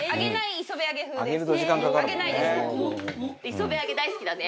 磯辺揚げ大好きだね。